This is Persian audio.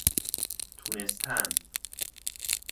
تونستن